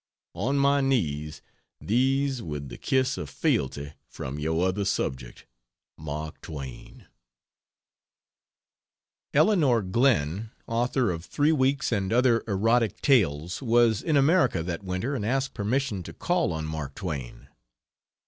On my knees! These with the kiss of fealty from your other subject MARK TWAIN Elinor Glyn, author of Three Weeks and other erotic tales, was in America that winter and asked permission to call on Mark Twain.